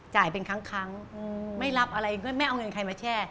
เป็นครั้งไม่รับอะไรเงินไม่เอาเงินใครมาแช่